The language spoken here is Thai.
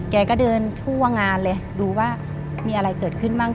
แกก็เดินทั่วงานเลยดูว่ามีอะไรเกิดขึ้นบ้าง